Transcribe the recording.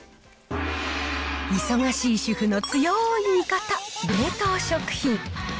忙しい主婦の強い味方、冷凍食品。